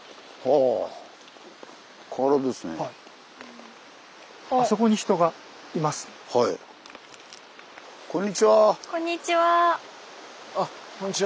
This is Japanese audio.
あっこんにちは。